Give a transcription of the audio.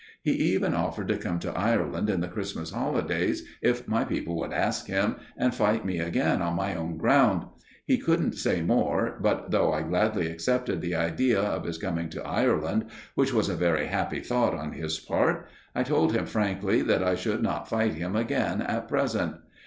He even offered to come to Ireland in the Christmas Holidays, if my people would ask him, and fight me again on my own ground. He couldn't say more, but though I gladly accepted the idea of his coming to Ireland, which was a very happy thought on his part, I told him frankly that I should not fight him again at present.